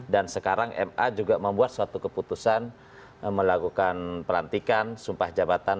dan sekarang ma juga membuat suatu keputusan melakukan pelantikan sumpah jabatan